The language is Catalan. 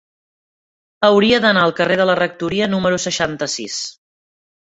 Hauria d'anar al carrer de la Rectoria número seixanta-sis.